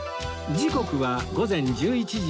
時刻は午前１１時４５分